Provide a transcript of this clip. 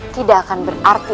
tidak akan berarti